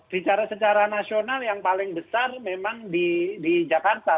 bicara secara nasional yang paling besar memang di jakarta